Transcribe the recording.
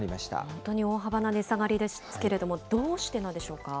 本当に大幅な値下がりですけれども、どうしてなんでしょうか。